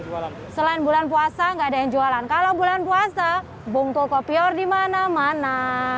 jualan selain bulan puasa nggak ada yang jualan kalau bulan puasa bongkokopior dimana mana